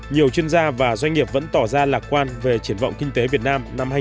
nhiều chuyên gia và doanh nghiệp vẫn tỏ ra lạc quan về triển vọng kinh tế việt nam năm hai nghìn hai mươi